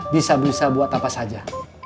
bisa bisa buat apa saja